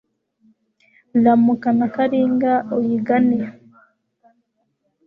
Ramuka na Karinga uyigane,